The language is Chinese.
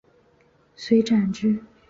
遂斩之。